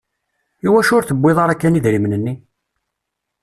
Iwacu ur tewwiḍ ara kan idrimen-nni?